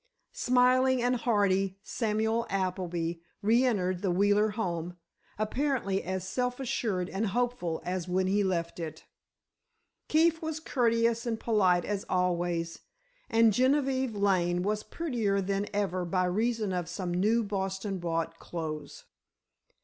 Smiling and hearty, Samuel Appleby reëntered the Wheeler home, apparently as self assured and hopeful as when he left it. Keefe was courteous and polite as always and Genevieve Lane was prettier than ever by reason of some new Boston bought clothes.